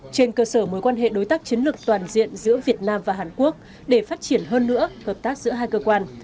trên cơ sở mối quan hệ đối tác chiến lược toàn diện giữa việt nam và hàn quốc để phát triển hơn nữa hợp tác giữa hai cơ quan